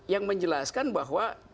yang menjelaskan bahwa